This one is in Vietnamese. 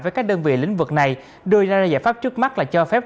với các đơn vị lĩnh vực này đưa ra ra giải pháp trước mắt là cho phép